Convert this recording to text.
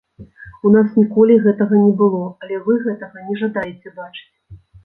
У нас ніколі гэтага не было, але вы гэтага не жадаеце бачыць.